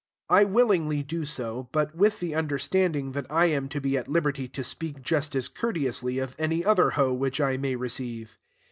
I willingly do so, but with the understanding that I am to be at liberty to speak just as courteously of any other hoe which I may receive.